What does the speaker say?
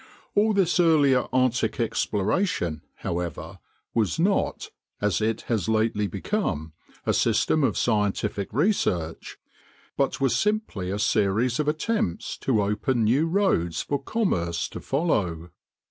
All this earlier Arctic exploration, however, was not, as it has lately become, a system of scientific research, but was simply a series of attempts to open new roads for commerce to follow.